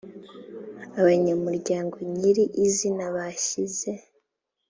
abanyamuryango nyiri izina bashyize